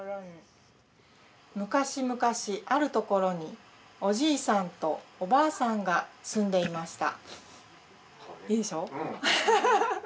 昔々あるところにおじいさんとおばあさんが住んでいました。